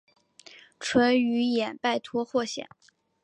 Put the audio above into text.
淳于衍拜托霍显。